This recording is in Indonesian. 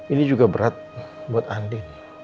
ini juga berat buat andi